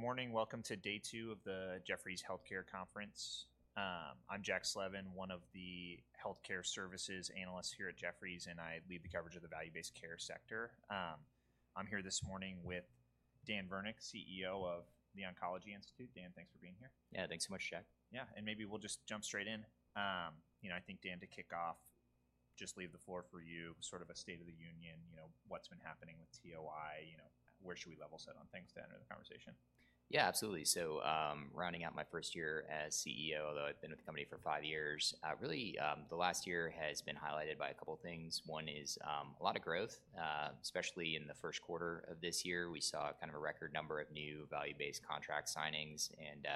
Good morning. Welcome to day two of the Jefferies Healthcare Conference. I'm Jack Slevin, one of the healthcare services analysts here at Jefferies, and I lead the coverage of the value-based care sector. I'm here this morning with Dan Virnich, CEO of The Oncology Institute. Dan, thanks for being here. Yeah, thanks so much, Jack. Yeah, and maybe we'll just jump straight in. You know, I think, Dan, to kick off, just leave the floor for you, sort of a state of the union, you know, what's been happening with TOI? You know, where should we level set on things to enter the conversation? Yeah, absolutely. So, rounding out my first year as CEO, although I've been with the company for five years, really, the last year has been highlighted by a couple things. One is, a lot of growth, especially in the first quarter of this year. We saw kind of a record number of new value-based contract signings and,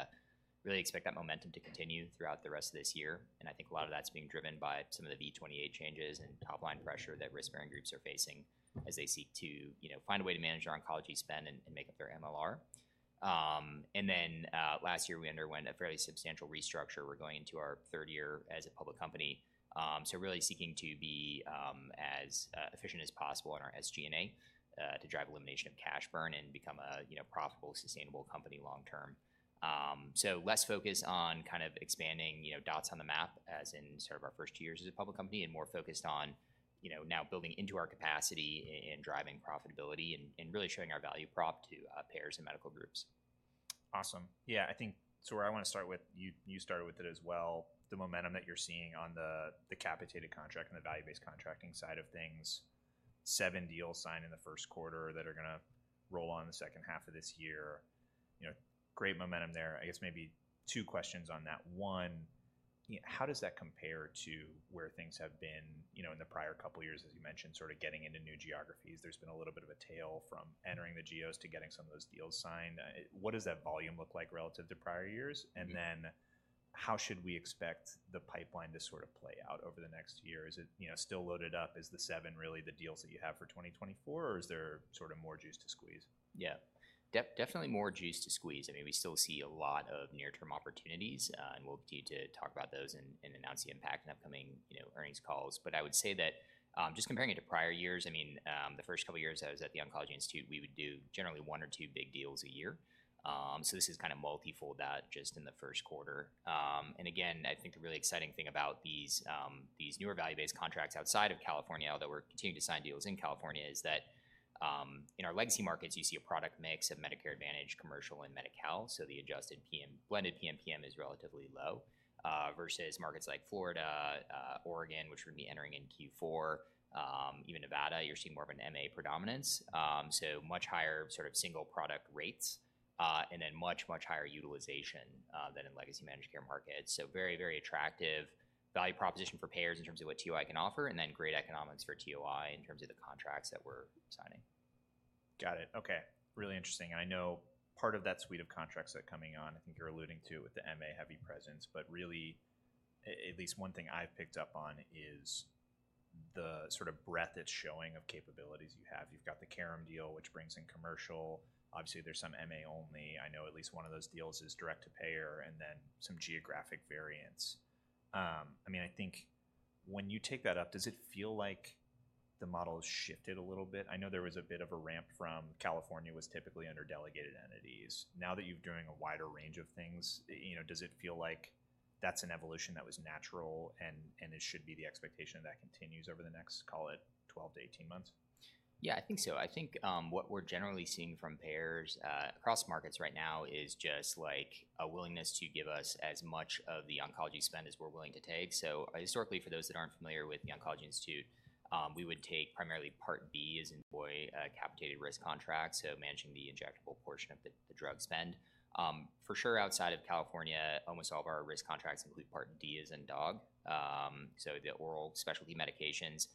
really expect that momentum to continue throughout the rest of this year, and I think a lot of that's being driven by some of the V28 changes and top-line pressure that risk-bearing groups are facing as they seek to, you know, find a way to manage their oncology spend and, and make up their MLR. And then, last year we underwent a fairly substantial restructure. We're going into our third year as a public company, so really seeking to be as efficient as possible in our SG&A, to drive elimination of cash burn and become a, you know, profitable, sustainable company long term. So less focused on kind of expanding, you know, dots on the map, as in sort of our first two years as a public company, and more focused on, you know, now building into our capacity and driving profitability, and really showing our value prop to payers and medical groups. Awesome. Yeah, I think, so where I wanna start with, you, you started with it as well, the momentum that you're seeing on the, the capitated contract and the value-based contracting side of things. Seven deals signed in the first quarter that are gonna roll on in the second half of this year. You know, great momentum there. I guess maybe two questions on that. One, how does that compare to where things have been, you know, in the prior couple years, as you mentioned, sorta getting into new geographies? There's been a little bit of a tail from entering the geos to getting some of those deals signed. What does that volume look like relative to prior years? Mm-hmm. And then, how should we expect the pipeline to sort of play out over the next year? Is it, you know, still loaded up? Is the seven really the deals that you have for 2024, or is there sorta more juice to squeeze? Yeah. Definitely more juice to squeeze. I mean, we still see a lot of near-term opportunities, and we'll continue to talk about those and announce the impact in upcoming, you know, earnings calls. But I would say that, just comparing it to prior years, I mean, the first couple years I was at The Oncology Institute, we would do generally one or two big deals a year. So this is kind of multi-fold that just in the first quarter. And again, I think the really exciting thing about these newer value-based contracts outside of California, although we're continuing to sign deals in California, is that, in our legacy markets, you see a product mix of Medicare Advantage, commercial, and Medi-Cal, so the adjusted PM... Blended PMPM is relatively low, versus markets like Florida, Oregon, which we're gonna be entering in Q4, even Nevada, you're seeing more of an MA predominance. So much higher sort of single product rates, and then much, much higher utilization, than in legacy managed care markets. So very, very attractive value proposition for payers in terms of what TOI can offer, and then great economics for TOI in terms of the contracts that we're signing. Got it. Okay, really interesting, and I know part of that suite of contracts that are coming on. I think you're alluding to with the MA-heavy presence, but really, at least one thing I've picked up on is the sort of breadth it's showing of capabilities you have. You've got the Carrum deal, which brings in commercial. Obviously, there's some MA only. I know at least one of those deals is direct to payer, and then some geographic variants. I mean, I think when you take that up, does it feel like the model has shifted a little bit? I know there was a bit of a ramp from California was typically under delegated entities. Now that you're doing a wider range of things, you know, does it feel like that's an evolution that was natural, and it should be the expectation that continues over the next, call it, 12-18 months? Yeah, I think so. I think what we're generally seeing from payers across markets right now is just, like, a willingness to give us as much of the oncology spend as we're willing to take. So historically, for those that aren't familiar with The Oncology Institute, we would take primarily Part B, as in boy, capitated risk contracts, so managing the injectable portion of the drug spend. For sure, outside of California, almost all of our risk contracts include Part D, as in dog, so the oral specialty medications.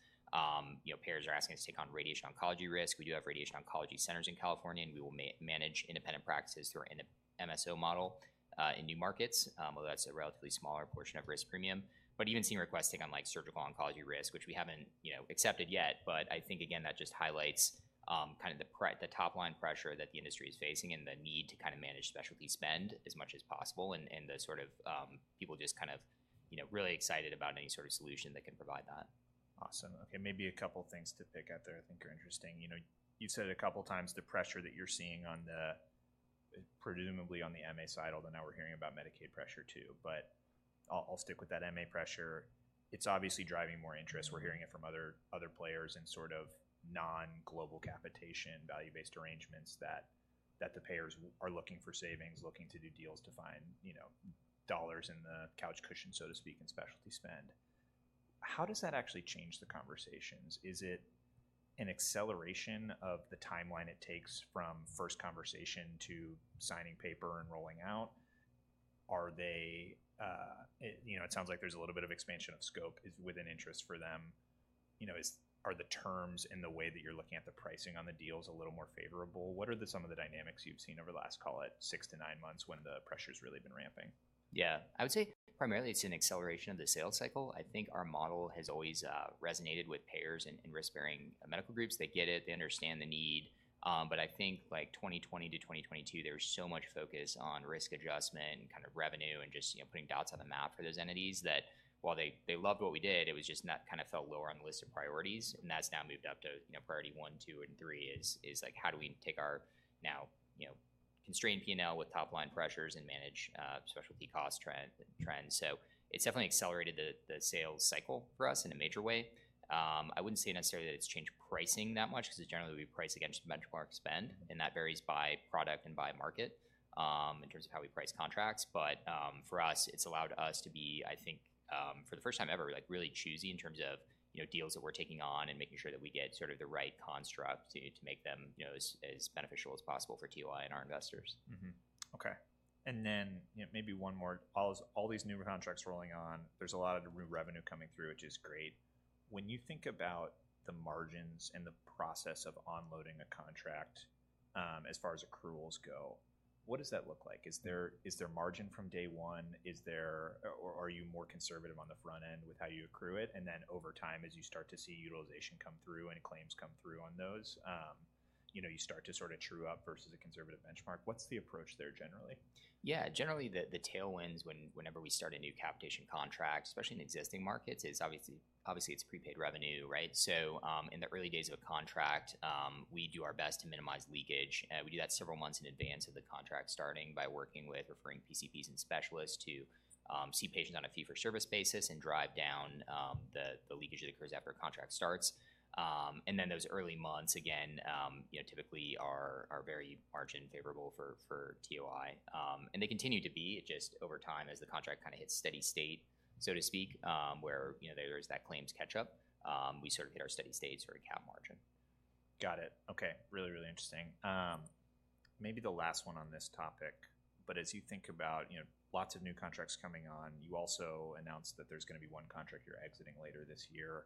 You know, payers are asking us to take on radiation oncology risk. We do have radiation oncology centers in California, and we will manage independent practices through an MSO model in new markets, although that's a relatively smaller portion of risk premium. But even seeing requests taking on, like, surgical oncology risk, which we haven't, you know, accepted yet. But I think, again, that just highlights kind of the top-line pressure that the industry is facing and the need to kinda manage specialty spend as much as possible and, and the sort of people just kind of, you know, really excited about any sort of solution that can provide that. Awesome. Okay, maybe a couple things to pick at there I think are interesting. You know, you've said a couple times the pressure that you're seeing on the, presumably on the MA side, although now we're hearing about Medicaid pressure, too, but I'll stick with that MA pressure. It's obviously driving more interest. Mm-hmm. We're hearing it from other players in sort of non-global capitation, value-based arrangements, that the payers are looking for savings, looking to do deals to find, you know, dollars in the couch cushion, so to speak, in specialty spend. How does that actually change the conversations? Is it an acceleration of the timeline it takes from first conversation to signing paper and rolling out? Are they... It, you know, it sounds like there's a little bit of expansion of scope is within interest for them. You know, are the terms in the way that you're looking at the pricing on the deals a little more favorable? What are some of the dynamics you've seen over the last, call it, six to nine months when the pressure's really been ramping? Yeah. I would say primarily it's an acceleration of the sales cycle. I think our model has always resonated with payers and risk-bearing medical groups. They get it, they understand the need. But I think, like, 2020 to 2022, there was so much focus on risk adjustment and kind of revenue and just, you know, putting dots on the map for those entities that while they loved what we did, it was just kinda fell lower on the list of priorities, and that's now moved up to, you know, priority one, two, and three is like how do we take our now, you know, constrained P&L with top-line pressures and manage specialty cost trend trends? So it's definitely accelerated the sales cycle for us in a major way. I wouldn't say necessarily that it's changed pricing that much, 'cause generally, we price against benchmark spend, and that varies by product and by market, in terms of how we price contracts. But, for us, it's allowed us to be, I think, for the first time ever, like, really choosy in terms of, you know, deals that we're taking on and making sure that we get sort of the right construct to, to make them, you know, as, as beneficial as possible for TOI and our investors. Mm-hmm. Okay, and then, you know, maybe one more. All, all these new contracts rolling on, there's a lot of new revenue coming through, which is great. When you think about the margins and the process of onboarding a contract, as far as accruals go, what does that look like? Is there, is there margin from day one? Is there... Or, or are you more conservative on the front end with how you accrue it, and then over time, as you start to see utilization come through and claims come through on those, you know, you start to sort of true up versus a conservative benchmark? What's the approach there, generally? Yeah. Generally, the tailwinds whenever we start a new capitation contract, especially in existing markets, is obviously, it's prepaid revenue, right? So, in the early days of a contract, we do our best to minimize leakage, and we do that several months in advance of the contract, starting by working with referring PCPs and specialists to see patients on a fee-for-service basis and drive down the leakage that occurs after a contract starts. And then those early months, again, you know, typically are very margin favorable for TOI. And they continue to be, it just over time, as the contract kinda hits steady state, so to speak, where you know, there is that claims catch-up, we sort of hit our steady state for a cap margin. Got it. Okay. Really, really interesting. Maybe the last one on this topic, but as you think about, you know, lots of new contracts coming on, you also announced that there's gonna be one contract you're exiting later this year.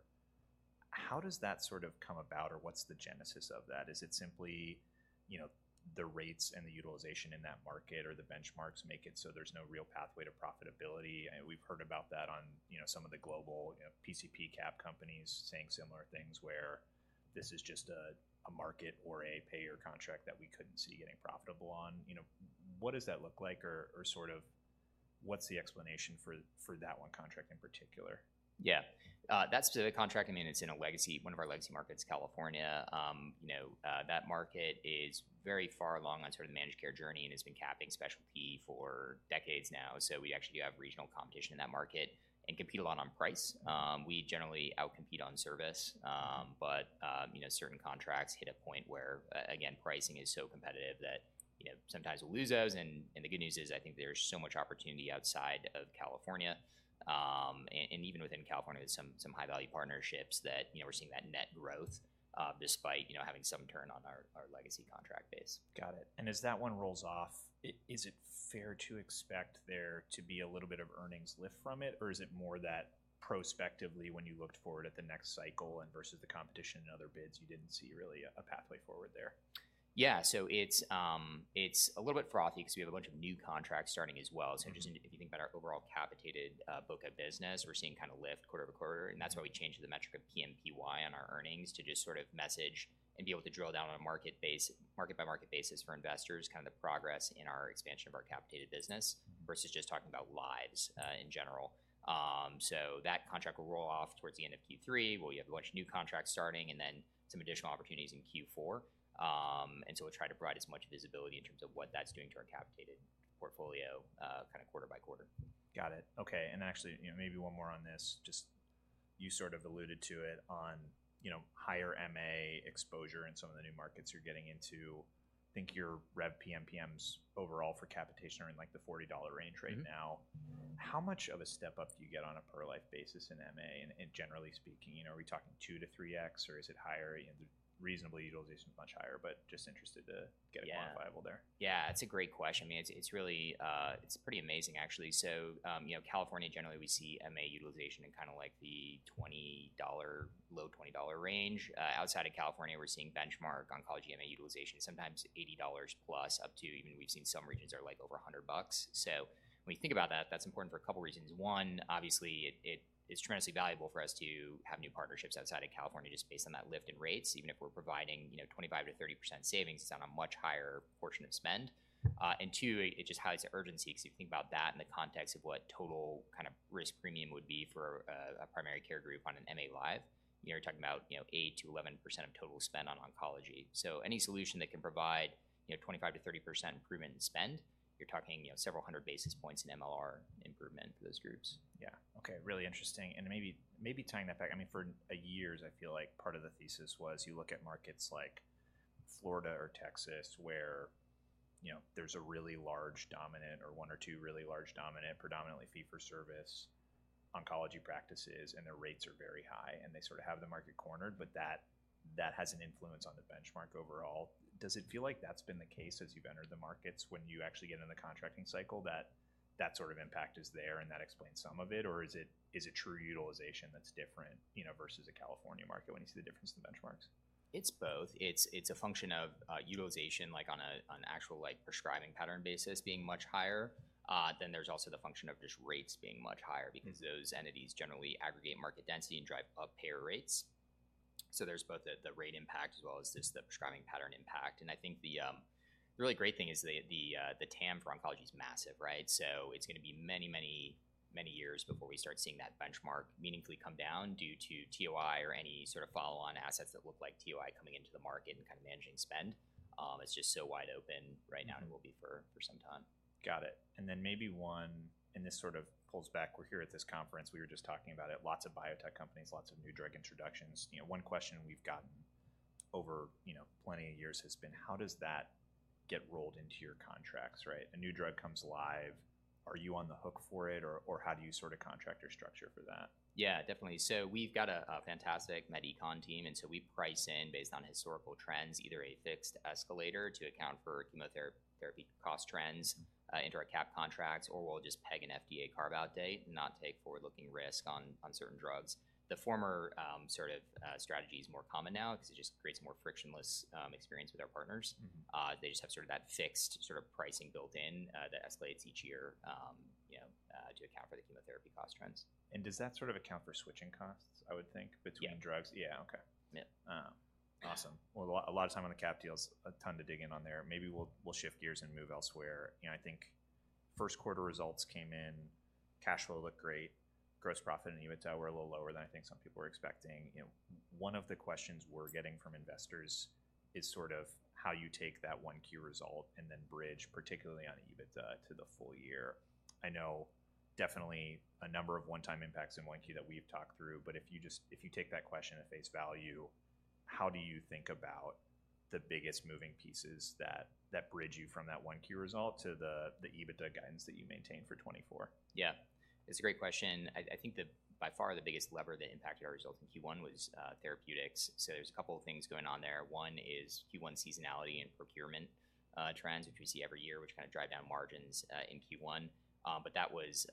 How does that sort of come about, or what's the genesis of that? Is it simply, you know, the rates and the utilization in that market, or the benchmarks make it so there's no real pathway to profitability? We've heard about that on, you know, some of the global, you know, PCP cap companies saying similar things, where this is just a market or a payer contract that we couldn't see getting profitable on. You know, what does that look like, or sort of what's the explanation for that one contract in particular? Yeah. That specific contract, I mean, it's in a legacy one of our legacy markets, California. You know, that market is very far along on sort of managed care journey and has been capping specialty for decades now. So we actually have regional competition in that market and compete a lot on price. We generally out-compete on service, but, you know, certain contracts hit a point where, again, pricing is so competitive that, you know, sometimes we'll lose those. And the good news is, I think there's so much opportunity outside of California, and even within California, there's some high-value partnerships that, you know, we're seeing that net growth, despite, you know, having some turn on our legacy contract base. Got it. And as that one rolls off, is it fair to expect there to be a little bit of earnings lift from it, or is it more that prospectively, when you looked forward at the next cycle and versus the competition and other bids, you didn't see really a pathway forward there? Yeah. So it's, it's a little bit frothy because we have a bunch of new contracts starting as well. Mm-hmm. So just if you think about our overall capitated book of business, we're seeing kind of lift quarter-over-quarter, and that's why we changed the metric of PMPY on our earnings to just sort of message and be able to drill down on a market-by-market basis for investors, kind of the progress in our expansion of our capitated business, versus just talking about lives in general. So that contract will roll off towards the end of Q3, where we have a bunch of new contracts starting, and then some additional opportunities in Q4. And so we'll try to provide as much visibility in terms of what that's doing to our capitated portfolio, kind of quarter by quarter. Got it. Okay, and actually, you know, maybe one more on this, just you sort of alluded to it on, you know, higher MA exposure in some of the new markets you're getting into. I think your rev PMPMs overall for capitation are in, like, the $40 range right now. Mm-hmm. Mm-hmm. How much of a step up do you get on a per-life basis in MA, and, and generally speaking? You know, are we talking 2x-3x, or is it higher? Reasonable utilization is much higher, but just interested to get it- Yeah... quantifiable there. Yeah, it's a great question. I mean, it's, it's really... It's pretty amazing, actually. So, you know, California, generally, we see MA utilization in kind of like the $20, low $20 range. Outside of California, we're seeing benchmark oncology MA utilization, sometimes $80+, up to even we've seen some regions are, like, over $100. So when you think about that, that's important for a couple reasons. One, obviously, it, it is tremendously valuable for us to have new partnerships outside of California, just based on that lift in rates. Even if we're providing, you know, 25%-30% savings, it's on a much higher portion of spend. and two, it just highlights the urgency, because if you think about that in the context of what total kind of risk premium would be for a primary care group on an MA Live, you know, you're talking about, you know, 8%-11% of total spend on oncology. So any solution that can provide, you know, 25%-30% improvement in spend, you're talking, you know, several hundred basis points in MLR improvement for those groups. Yeah, okay. Really interesting. And maybe, maybe tying that back, I mean, for years, I feel like part of the thesis was you look at markets like Florida or Texas, where, you know, there's a really large dominant or one or two really large dominant, predominantly fee-for-service oncology practices, and their rates are very high, and they sort of have the market cornered, but that, that has an influence on the benchmark overall. Does it feel like that's been the case as you've entered the markets, when you actually get in the contracting cycle, that that sort of impact is there, and that explains some of it, or is it- is it true utilization that's different, you know, versus a California market, when you see the difference in benchmarks? It's both. It's a function of utilization, like on an actual prescribing pattern basis, being much higher. Then there's also the function of just rates being much higher- Mm-hmm... because those entities generally aggregate market density and drive up payer rates. So there's both the, the rate impact as well as just the prescribing pattern impact. And I think the, The really great thing is the, the, the TAM for oncology is massive, right? So it's gonna be many, many, many years before we start seeing that benchmark meaningfully come down due to TOI or any sort of follow-on assets that look like TOI coming into the market and kind of managing spend. It's just so wide open right now and will be for, for some time. Got it. And then maybe one, and this sort of pulls back. We're here at this conference, we were just talking about it, lots of biotech companies, lots of new drug introductions. You know, one question we've gotten over, you know, plenty of years has been: how does that get rolled into your contracts, right? A new drug comes live, are you on the hook for it, or, or how do you sort of contract your structure for that? Yeah, definitely. So we've got a fantastic med econ team, and so we price in based on historical trends, either a fixed escalator to account for chemotherapy cost trends into our cap contracts, or we'll just peg an FDA carve-out date and not take forward-looking risk on certain drugs. The former, sort of, strategy is more common now because it just creates a more frictionless experience with our partners. Mm-hmm. They just have sort of that fixed sort of pricing built in, that escalates each year, you know, to account for the chemotherapy cost trends. Does that sort of account for switching costs, I would think, between- Yeah... drugs? Yeah. Okay. Yeah. Awesome. Well, a lot, a lot of time on the cap deals, a ton to dig in on there. Maybe we'll, we'll shift gears and move elsewhere. You know, I think first quarter results came in, cash flow looked great, gross profit and EBITDA were a little lower than I think some people were expecting. You know, one of the questions we're getting from investors is sort of how you take that 1Q result and then bridge, particularly on EBITDA, to the full year. I know definitely a number of one-time impacts in 1Q that we've talked through, but if you just- if you take that question at face value, how do you think about the biggest moving pieces that, that bridge you from that 1Q result to the, the EBITDA guidance that you maintained for 2024? Yeah. It's a great question. I think by far, the biggest lever that impacted our results in Q1 was therapeutics. So there's a couple of things going on there. One is Q1 seasonality and procurement trends, which we see every year, which kind of drive down margins in Q1. But that was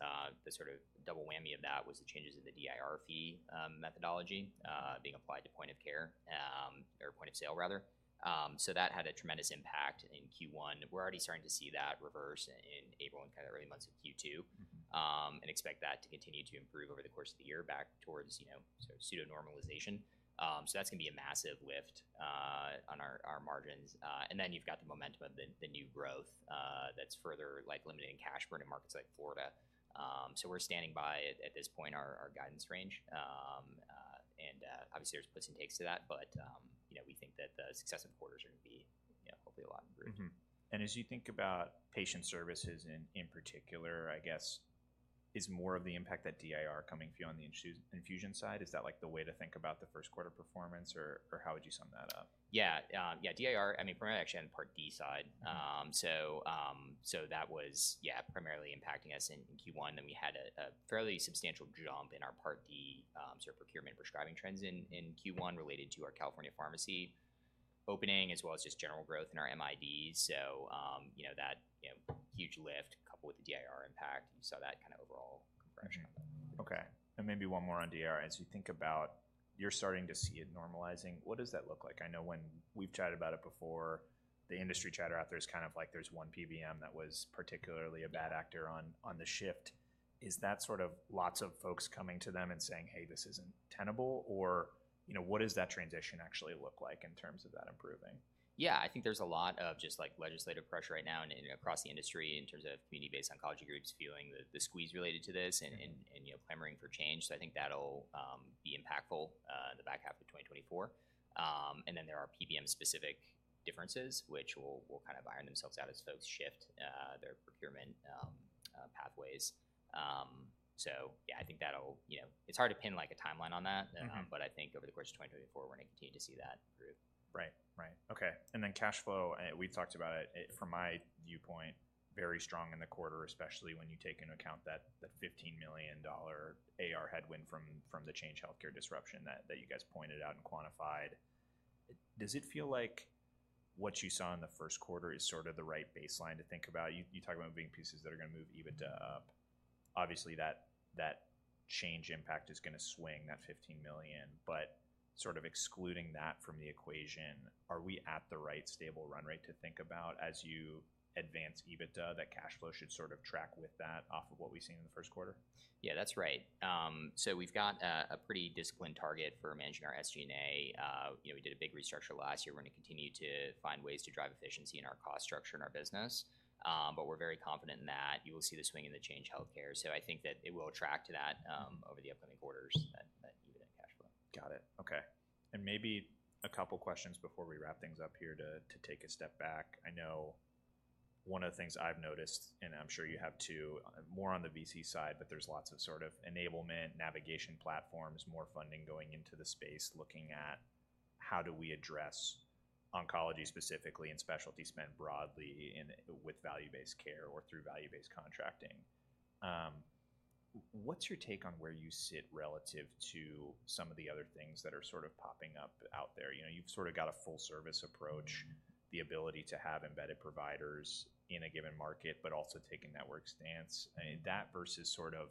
the sort of double whammy of that was the changes in the DIR fee methodology being applied to point of care or point of sale, rather. So that had a tremendous impact in Q1. We're already starting to see that reverse in April and kind of early months of Q2. Mm-hmm. And expect that to continue to improve over the course of the year back towards, you know, pseudo-normalization. So that's gonna be a massive lift on our, our margins. And then you've got the momentum of the, the new growth, that's further, like, limiting cash burn in markets like Florida. So we're standing by at, at this point, our, our guidance range. And obviously, there's puts and takes to that, but, you know, we think that the successive quarters are gonna be, you know, hopefully a lot improved. Mm-hmm. And as you think about patient services in particular, I guess, is more of the impact that DIR coming from you on the infusion side, is that, like, the way to think about the first quarter performance, or how would you sum that up? Yeah, yeah, DIR, I mean, primarily actually on Part D side. Mm-hmm. So that was, yeah, primarily impacting us in Q1, and we had a fairly substantial jump in our Part D sort of procurement prescribing trends in Q1 related to our California pharmacy opening, as well as just general growth in our MID. So, you know, that, you know, huge lift coupled with the DIR impact, you saw that kind of overall compression. Okay. Maybe one more on DIR. As you think about... You're starting to see it normalizing, what does that look like? I know when we've chatted about it before, the industry chatter out there is kind of like there's one PBM that was particularly a bad actor on, on the shift. Is that sort of lots of folks coming to them and saying, "Hey, this isn't tenable," or, you know, what does that transition actually look like in terms of that improving? Yeah, I think there's a lot of just, like, legislative pressure right now and across the industry in terms of community-based oncology groups feeling the squeeze related to this- Mm-hmm... and you know, clamoring for change. So I think that'll be impactful in the back half of 2024. And then there are PBM-specific differences, which will kind of iron themselves out as folks shift their procurement pathways. So yeah, I think that'll, you know... It's hard to pin, like, a timeline on that. Mm-hmm. I think over the course of 2024, we're gonna continue to see that group. Right. Right. Okay, and then cash flow, we've talked about it. From my viewpoint, very strong in the quarter, especially when you take into account that the $15 million AR headwind from the Change Healthcare disruption that you guys pointed out and quantified. Does it feel like what you saw in the first quarter is sort of the right baseline to think about? You talk about moving pieces that are gonna move EBITDA up. Obviously, that Change impact is gonna swing that $15 million, but sort of excluding that from the equation, are we at the right stable run rate to think about as you advance EBITDA, that cash flow should sort of track with that off of what we've seen in the first quarter? Yeah, that's right. So we've got a pretty disciplined target for managing our SG&A. You know, we did a big restructure last year. We're gonna continue to find ways to drive efficiency in our cost structure and our business, but we're very confident in that. You will see the swing in the Change Healthcare, so I think that it will attract to that, over the upcoming quarters, that EBITDA cash flow. Got it. Okay. Maybe a couple questions before we wrap things up here to take a step back. I know one of the things I've noticed, and I'm sure you have, too, more on the VC side, but there's lots of sort of enablement, navigation platforms, more funding going into the space, looking at how do we address oncology specifically, and specialty spend broadly in with value-based care or through value-based contracting. What's your take on where you sit relative to some of the other things that are sort of popping up out there? You know, you've sort of got a full-service approach, the ability to have embedded providers in a given market, but also take a network stance. That versus sort of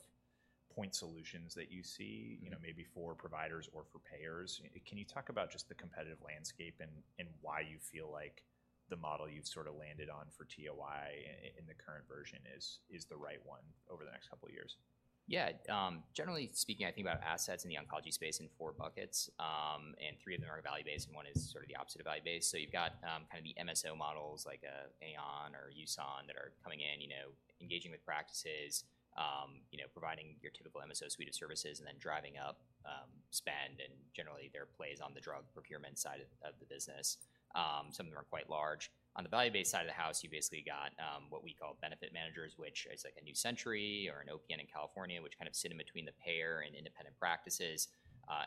point solutions that you see. Mm-hmm. You know, maybe for providers or for payers. Can you talk about just the competitive landscape and, and why you feel like the model you've sort of landed on for TOI in the current version is, is the right one over the next couple of years? Yeah, generally speaking, I think about assets in the oncology space in four buckets, and three of them are value-based, and one is sort of the opposite of value-based. So you've got, kinda the MSO models like, AON or USON that are coming in, you know, engaging with practices, you know, providing your typical MSO suite of services and then driving up, spend, and generally, they're plays on the drug procurement side of the business. Some of them are quite large. On the value-based side of the house, you basically got, what we call benefit managers, which is like a New Century or an OPN in California, which kind of sit in between the payer and independent practices,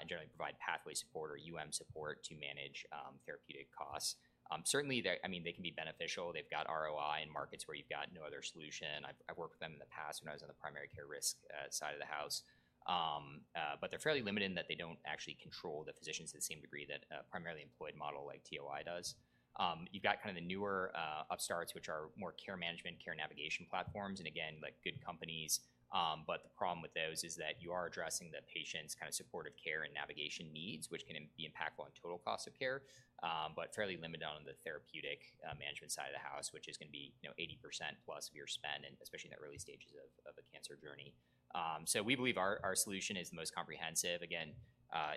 and generally provide pathway support or UM support to manage, therapeutic costs. Certainly, they're-- I mean, they can be beneficial. They've got ROI in markets where you've got no other solution. I've worked with them in the past when I was on the primary care risk side of the house. But they're fairly limited in that they don't actually control the physicians to the same degree that primarily employed model like TOI does. You've got kinda the newer upstarts, which are more care management, care navigation platforms, and again, like, good companies. But the problem with those is that you are addressing the patient's kinda supportive care and navigation needs, which can be impactful on total cost of care, but fairly limited on the therapeutic management side of the house, which is gonna be, you know, 80% plus of your spend, and especially in the early stages of a cancer journey. So we believe our solution is the most comprehensive. Again,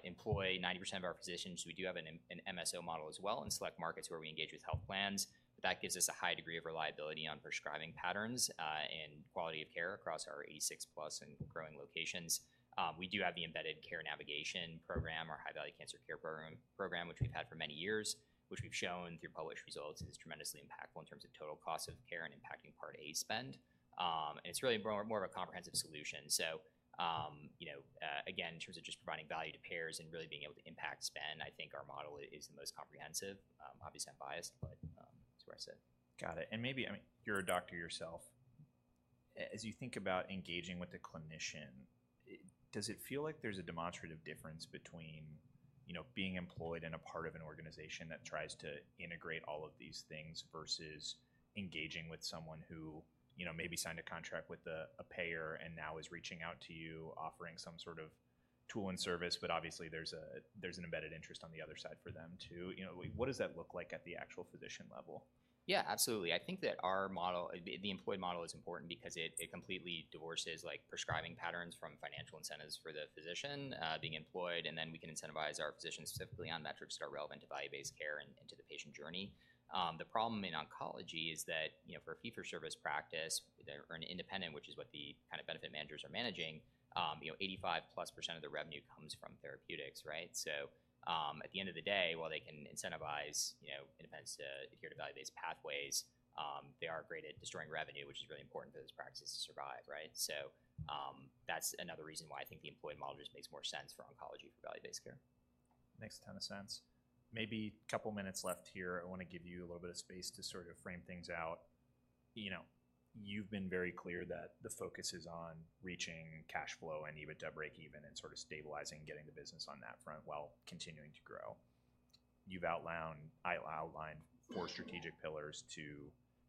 employ 90% of our physicians. We do have an MSO model as well in select markets where we engage with health plans. That gives us a high degree of reliability on prescribing patterns and quality of care across our 86+ and growing locations. We do have the Embedded Care Navigation program, our High-Value Cancer Care program, which we've had for many years, which we've shown through published results, is tremendously impactful in terms of total cost of care and impacting Part A spend. And it's really more of a comprehensive solution. So, you know, again, in terms of just providing value to payers and really being able to impact spend, I think our model is the most comprehensive. Obviously, I'm biased, but that's where I sit. Got it. And maybe, I mean, you're a doctor yourself. As you think about engaging with the clinician, does it feel like there's a demonstrative difference between, you know, being employed and a part of an organization that tries to integrate all of these things, versus engaging with someone who, you know, maybe signed a contract with a payer and now is reaching out to you, offering some sort of tool and service, but obviously, there's an embedded interest on the other side for them, too? You know, what does that look like at the actual physician level? Yeah, absolutely. I think that our model, the employed model is important because it completely divorces, like, prescribing patterns from financial incentives for the physician, being employed, and then we can incentivize our physicians specifically on metrics that are relevant to value-based care and to the patient journey. The problem in oncology is that, you know, for a fee-for-service practice, they're an independent, which is what the kinda benefit managers are managing, you know, 85%+ of the revenue comes from therapeutics, right? So, that's another reason why I think the employed model just makes more sense for oncology, for value-based care. Makes a ton of sense. Maybe a couple of minutes left here. I wanna give you a little bit of space to sort of frame things out. You know, you've been very clear that the focus is on reaching cash flow and EBITDA breakeven and sort of stabilizing and getting the business on that front while continuing to grow. You've outlined four strategic pillars to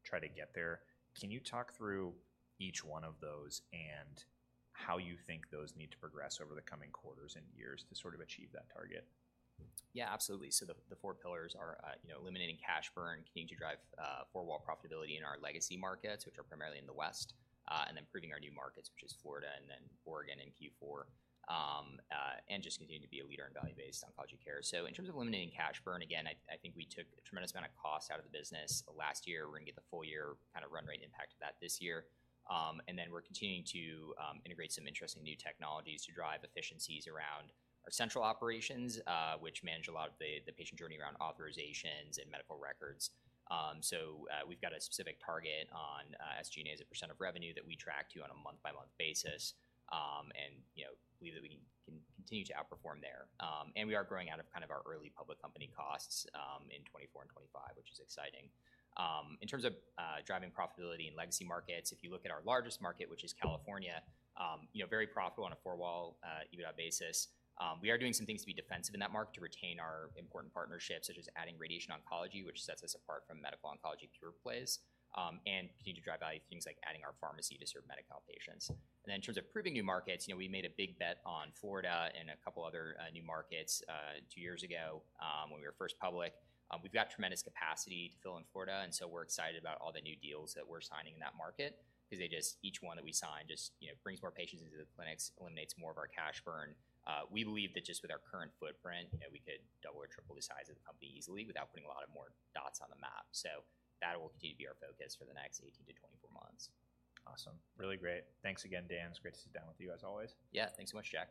try to get there. Can you talk through each one of those and how you think those need to progress over the coming quarters and years to sort of achieve that target? Yeah, absolutely. So the four pillars are, you know, eliminating cash burn, continuing to drive four-wall profitability in our legacy markets, which are primarily in the West, and then improving our new markets, which is Florida and then Oregon in Q4. And just continuing to be a leader in value-based oncology care. So in terms of eliminating cash burn, again, I think we took a tremendous amount of cost out of the business last year. We're gonna get the full year kinda run rate impact of that this year. And then we're continuing to integrate some interesting new technologies to drive efficiencies around our central operations, which manage a lot of the patient journey around authorizations and medical records. So, we've got a specific target on SG&A as a percent of revenue that we track to on a month-by-month basis. You know, we believe that we can, can continue to outperform there. We are growing out of kind of our early public company costs in 2024 and 2025, which is exciting. In terms of driving profitability in legacy markets, if you look at our largest market, which is California, you know, very profitable on a four-wall EBITDA basis. We are doing some things to be defensive in that market to retain our important partnerships, such as adding radiation oncology, which sets us apart from medical oncology pure plays, and continue to drive value, things like adding our pharmacy to serve Medi-Cal patients. In terms of pursuing new markets, you know, we made a big bet on Florida and a couple other new markets two years ago, when we were first public. We've got tremendous capacity to fill in Florida, and so we're excited about all the new deals that we're signing in that market because they just—each one that we sign just, you know, brings more patients into the clinics, eliminates more of our cash burn. We believe that just with our current footprint, you know, we could double or triple the size of the company easily without putting a lot more dots on the map. So that will continue to be our focus for the next 18-24 months. Awesome. Really great. Thanks again, Dan. It's great to sit down with you, as always. Yeah, thanks so much, Jack.